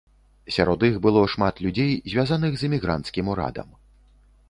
Сярод іх было шмат людзей, звязаных з эмігранцкім урадам.